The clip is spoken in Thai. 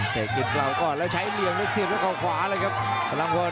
เทคติดกล่าวก่อนแล้วใช้เหลี่ยงได้เสียบด้วยกล่าวขวาเลยครับพลังวน